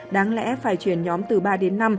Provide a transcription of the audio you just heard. đáng lẽ phải chuyển nhóm từ ba đến năm